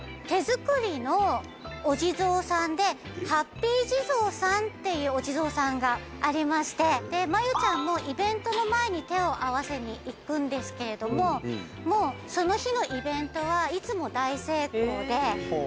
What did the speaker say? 手作りのお地蔵さんでハッピー地蔵さんっていうお地蔵さんがありましてでまゆちゃんもイベントの前に手を合わせに行くんですけれどもその日のイベントはいつも大成功で。